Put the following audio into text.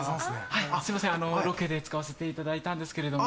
はいすいませんロケで使わせていただいたんですけれども。